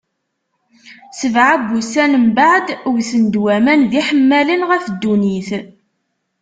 Sebɛa n wussan mbeɛd, wten-d waman d iḥemmalen ɣef ddunit.